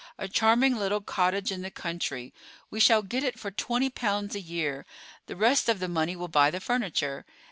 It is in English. A charming little cottage in the country—we shall get it for twenty pounds a year; the rest of the money will buy the furniture.